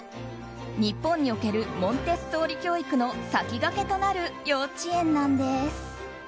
日本におけるモンテッソーリ教育の先駆けとなる幼稚園なんです。